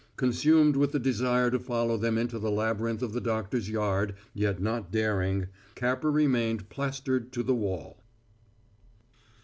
Consumed with the desire to follow them into the labyrinth of the doctor's yard, yet not daring, Capper remained plastered to the wall.